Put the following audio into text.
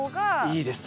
いいです。